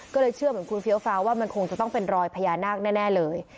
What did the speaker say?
ก็เลยเชื่อเหมือนคุณเฟี้ยวฟ้าว่ามันคงจะต้องเป็นรอยพญานาคแน่เลย